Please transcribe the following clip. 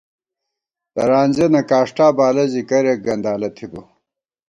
ترانزِیَنہ کاݭٹا بالہ زی کرېک گندالہ تھِبہ